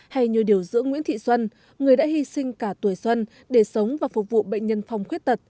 hay như điều dưỡng nguyễn thị xuân người đã hy sinh cả tuổi xuân để sống và phục vụ bệnh nhân phòng khuyết tật